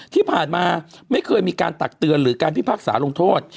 ที่ผ่านมาไม่เคยมีการตักเตือนหรือการพิพากษาลงโทษ